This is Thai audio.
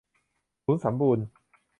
ศูนย์สัมบูรณ์